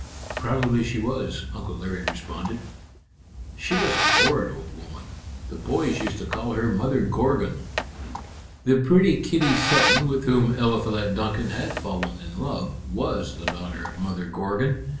"Probably she was," Uncle Larry responded. "She was a horrid old woman. The boys used to call her Mother Gorgon." "The pretty Kitty Sutton with whom Eliphalet Duncan had fallen in love was the daughter of Mother Gorgon.